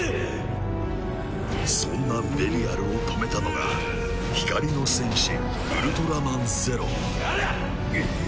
そんなベリアルを止めたのが光の戦士ウルトラマンゼロおりゃ！